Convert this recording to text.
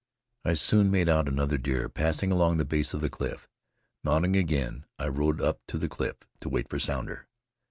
I soon made out another deer passing along the base of the cliff. Mounting again, I rode up to the cliff to wait for Sounder.